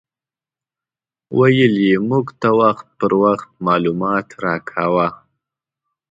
ویل یې موږ ته وخت په وخت معلومات راکاوه.